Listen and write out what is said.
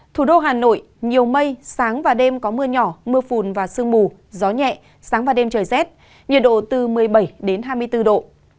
thủ đô hà nội nhiều mây sáng và đêm có mưa nhỏ mưa phùn và sương mù gió nhẹ sáng và đêm trời rét nhiệt độ từ một mươi bảy đến hai mươi bốn độ